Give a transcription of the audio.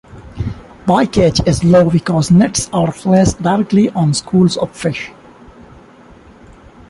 Bycatch is low because nets are placed directly on schools of fish.